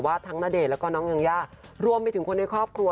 ทั้งณเดชน์แล้วก็น้องยาย่ารวมไปถึงคนในครอบครัว